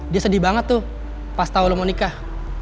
dia sedih banget tuh pas tau lo mau nikah